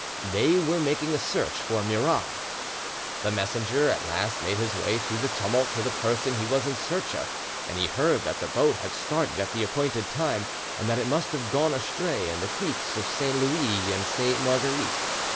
They were making a search for Murat. The messenger at last made his way through the tumult to the person he was in search of, and he heard that the boat had started at the appointed time, and that it must have gone astray in the creeks of Saint Louis and Sainte Marguerite.